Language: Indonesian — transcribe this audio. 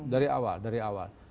dari awal dari awal